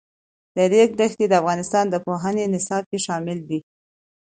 د ریګ دښتې د افغانستان د پوهنې نصاب کې شامل دي.